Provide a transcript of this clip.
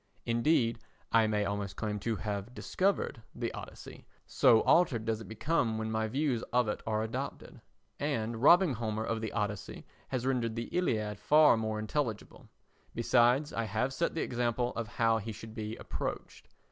Indeed, I may almost claim to have discovered the Odyssey, so altered does it become when my views of it are adopted. And robbing Homer of the Odyssey has rendered the Iliad far more intelligible; besides, I have set the example of how he should be approached.